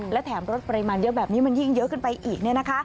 และแถมรถปริมาณเยอะแบบนี้มันยิ่งเยอะขึ้นไปอีก